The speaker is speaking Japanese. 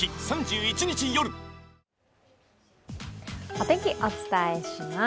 お天気、お伝えします。